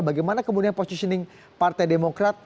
bagaimana kemudian positioning partai demokrat